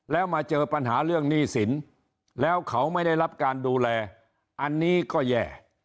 แล้วมาเจอปัญหาเรื่องหนี้สินแล้วเขาไม่ได้รับการดูแลอันนี้ก็แย่